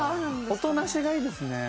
音なしがいいですね。